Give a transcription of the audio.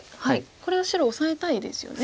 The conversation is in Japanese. これは白オサえたいですよね。